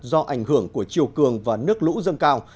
do ảnh hưởng của chiều cường và nước lũ dâng cao